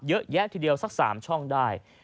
เยอะแยะทีเดียวสัก๓ช่องได้